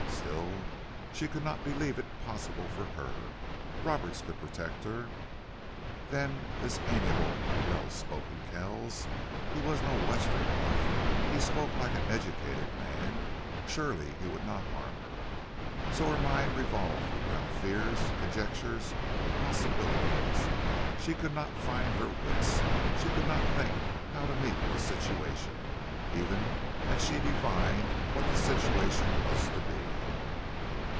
Still, she could not believe it possible for her. Roberts could protect her. Then this amiable, well spoken Kells, he was no Western rough he spoke like an educated man; surely he would not harm her. So her mind revolved round fears, conjectures, possibilities; she could not find her wits. She could not think how to meet the situation, even had she divined what the situation was to be.